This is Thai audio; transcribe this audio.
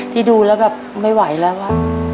ที่ดูแล้วแบบไม่ไหวแล้ว